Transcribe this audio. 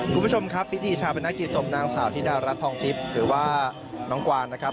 คุณผู้ชมครับพิธีชาปนกิจศพนางสาวธิดารัฐทองทิพย์หรือว่าน้องกวานนะครับ